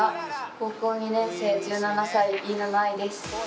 高校２年生１７歳飯沼愛です